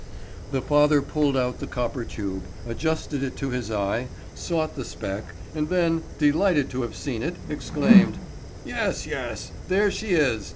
The father pulled out the copper tube, adjusted it to his eye, sought the speck, and then, delighted to have seen it, exclaimed: "Yes, yes, there she is.